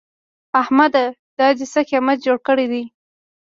احمده! دا دې څه قيامت جوړ کړی دی؟